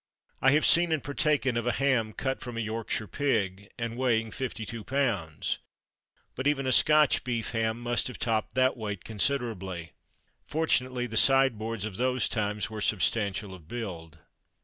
I have seen and partaken of a ham cut from a Yorkshire pig, and weighing 52 lbs.; but even a Scotch beef ham must have topped that weight considerably. Fortunately the sideboards of those times were substantial of build.